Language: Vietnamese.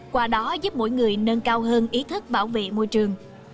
qua đó giúp mỗi người nâng cao hơn ý thức bảo vệ môi trường